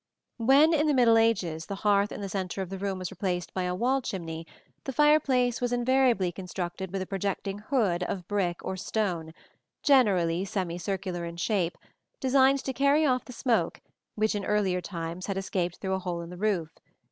] When, in the middle ages, the hearth in the centre of the room was replaced by the wall chimney, the fireplace was invariably constructed with a projecting hood of brick or stone, generally semicircular in shape, designed to carry off the smoke which in earlier times had escaped through a hole in the roof.